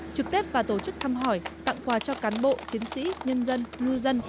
trực tết và tổ chức thăm hỏi tặng quà cho cán bộ chiến sĩ nhân dân ngư dân